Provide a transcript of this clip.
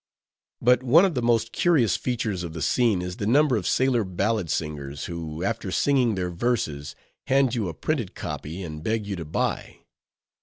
But one of the most curious features of the scene is the number of sailor ballad singers, who, after singing their verses, hand you a printed copy, and beg you to buy.